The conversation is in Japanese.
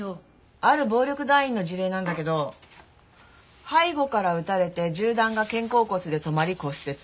ある暴力団員の事例なんだけど背後から撃たれて銃弾が肩甲骨で止まり骨折。